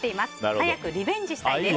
早くリベンジしたいです。